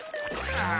ああ。